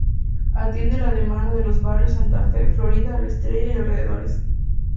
Atiende la demanda de los barrios Santa Fe, Florida, La Estrella y alrededores.